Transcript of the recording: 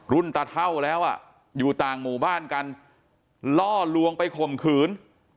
ตะเท่าแล้วอ่ะอยู่ต่างหมู่บ้านกันล่อลวงไปข่มขืน